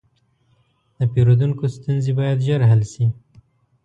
د پیرودونکو ستونزې باید ژر حل شي.